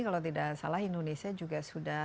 kalau tidak salah indonesia juga sudah